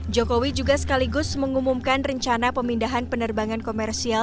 jokowi juga sekaligus mengumumkan rencana pemindahan penerbangan komersial